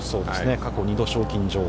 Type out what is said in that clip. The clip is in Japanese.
過去２度賞金女王。